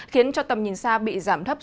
khiến cho tầm nhìn xa bị giảm thấp